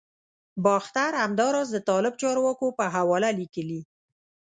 باختر همداراز د طالب چارواکو په حواله لیکلي